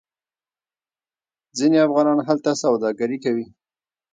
ځینې افغانان هلته سوداګري کوي.